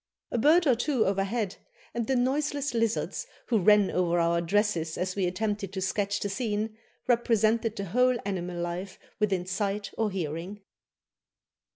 A bird or two overhead, and the noiseless lizards who ran over our dresses as we attempted to sketch the scene, represented the whole animal life within sight or hearing."